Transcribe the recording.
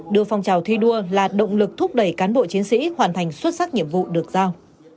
đưa phong trào thi đua là động lực thúc đẩy cán bộ chiến sĩ hoàn thành xuất sắc nhiệm vụ được giao